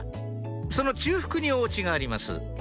その中腹にお家があります